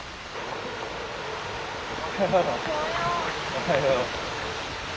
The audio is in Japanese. おはよう。